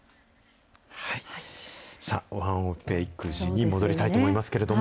さあ、お話を育児に戻りたいと思いますけれども。